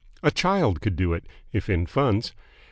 A child could do it, if in funds.